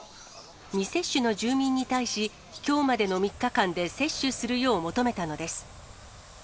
未接種の住民に対し、きょうまでの３日間で接種するよう求めたのです。